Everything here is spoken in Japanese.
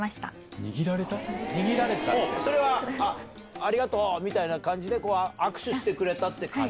ありがとう！みたいな感じで握手してくれたって感じ？